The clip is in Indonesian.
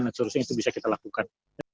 dan seterusnya itu bisa kita lakukan